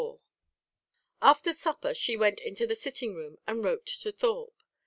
IV After supper she went into the sitting room and wrote to Thorpe.